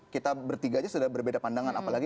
kita bertiga aja sudah berbeda pandangan apalagi